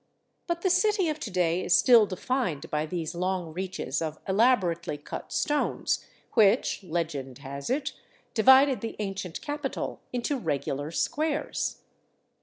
But the city of to day is still defined by these long reaches of elaborately cut stones, which, legend has it, divided the ancient capital into regular squares.